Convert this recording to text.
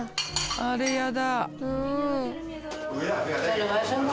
あれやだ。